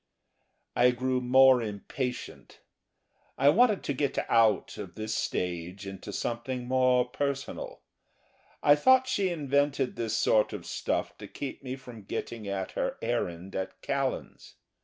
I grew more impatient. I wanted to get out of this stage into something more personal. I thought she invented this sort of stuff to keep me from getting at her errand at Callan's.